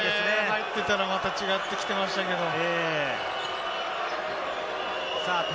入ってたら、また違ってきてましたけれども。